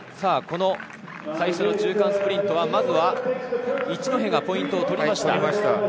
この最終の中間スプリントは一戸がポイントを取りました。